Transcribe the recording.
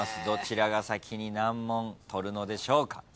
どちらが先に難問取るのでしょうか？